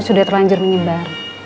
sudah terlanjur menyebar